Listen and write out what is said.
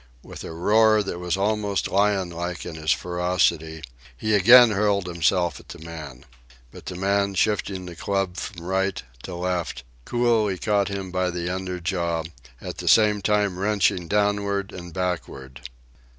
With a roar that was almost lionlike in its ferocity, he again hurled himself at the man. But the man, shifting the club from right to left, coolly caught him by the under jaw, at the same time wrenching downward and backward.